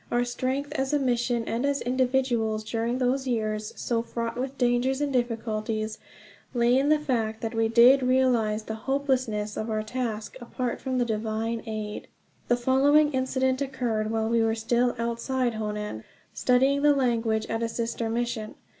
Our strength as a mission and as individuals, during those years so fraught with dangers and difficulties, lay in the fact that we did realize the hopelessness of our task apart from divine aid. The following incident occurred while we were still outside Honan, studying the language at a sister mission.